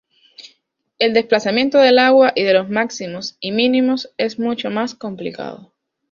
El desplazamiento del agua y de los máximos y mínimos es mucho más complicado.